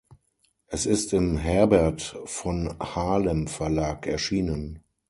Es ist im Herbert von Halem Verlag erschienen.